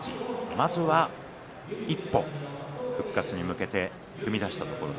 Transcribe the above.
まずは一歩、復活に向けて踏み出しました。